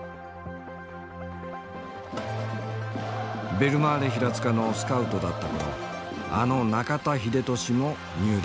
ベルマーレ平塚のスカウトだった頃あの中田英寿も入団させた。